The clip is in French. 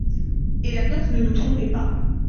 Et la note ne nous trompait pas.